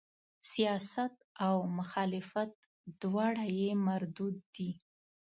سیاست او مخالفت دواړه یې مردود دي.